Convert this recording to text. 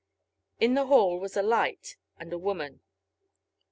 In the hall was a light and a woman.